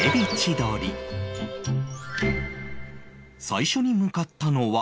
最初に向かったのは